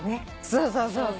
そうそう。